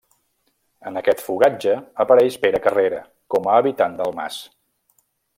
En aquest fogatge apareix Pere Carrera com a habitant del mas.